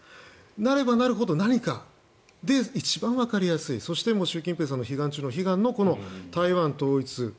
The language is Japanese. なればなるほど何かで、一番わかりやすいそして習近平の悲願中の悲願のこの台湾統一。